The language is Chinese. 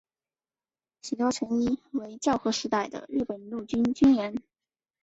喜多诚一为昭和时代的日本陆军军人。